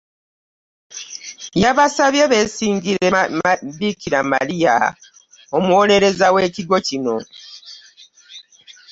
Yabasabye beesingire Bikira Maria omuwolereza w’ekigo kino.